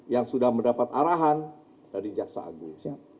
yang sudah mendapat arahan dari jaksa agung